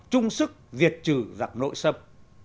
trung sức diệt trừ giặc nội sâm